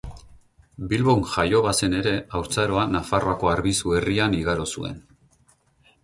Bilbon jaio bazen ere, haurtzaroa Nafarroako Arbizu herrian igaro zuen.